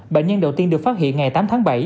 bệnh nhân đầu tiên được phát hiện ngày tám tháng bảy